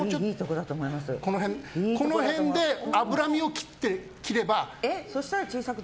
この辺で、脂身を切れば。